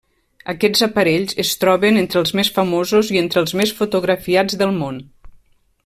Aquests aparells es troben entre els més famosos i entre els més fotografiats del món.